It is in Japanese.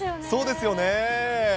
そうですよね。